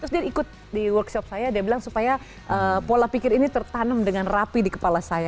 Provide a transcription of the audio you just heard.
terus dia ikut di workshop saya dia bilang supaya pola pikir ini tertanam dengan rapi di kepala saya